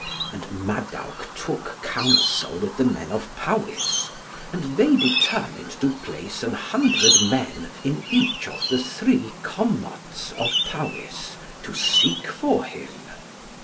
And Madawc took counsel with the men of Powys, and they determined to place an hundred men in each of the three Commots of Powys to seek for him.